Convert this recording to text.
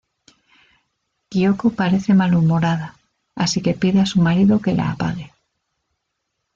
Kyoko parece malhumorada, así que pide a su marido que la apague.